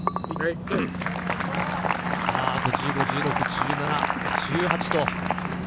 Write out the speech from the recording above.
あと１５、１５、１７、１８。